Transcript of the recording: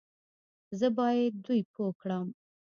زه بايد دوی پوه کړم